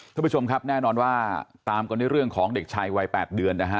คุณผู้ชมครับแน่นอนว่าตามกันด้วยเรื่องของเด็กชายวัย๘เดือนนะฮะ